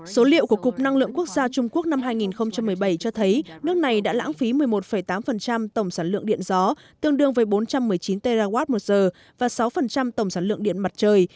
số liệu của cục năng lượng quốc gia trung quốc năm hai nghìn một mươi bảy cho thấy nước này đã lãng phí một mươi một tám tổng sản lượng điện gió tương đương với bốn trăm một mươi chín tw một giờ và sáu tổng sản lượng điện mặt trời